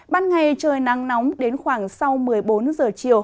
ban ngày trời nắng nóng đến khoảng sau một mươi bốn giờ chiều